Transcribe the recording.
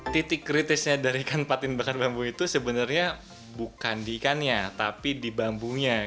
titik kritisnya dari ikan patin bakar bambu itu sebenarnya bukan di ikannya tapi di bambunya